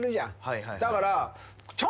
だから。